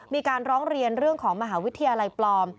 มีการร้องเรียนเรื่องของมหาวิทยาลัยปลอม